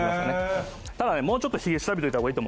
ただねもうちょっとヒゲ調べといた方がいいと思う。